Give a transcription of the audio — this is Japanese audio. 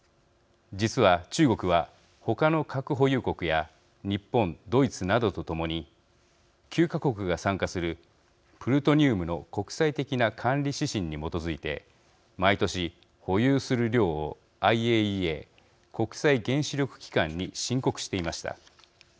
実は中国は他の核保有国や日本、ドイツなどと共に９か国が参加するプルトニウムの国際的な管理指針に基づいて毎年、保有する量をＩＡＥＡ＝国際原子力機関に申告していました。